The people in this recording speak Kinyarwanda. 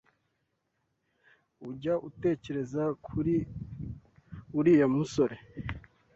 Ujya utekereza kuri uriya musore?